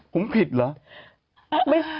ผมผิดเหรอ